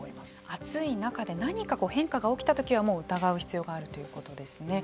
暑い中で何か変化が起きたときにはもう疑う必要があるということですね。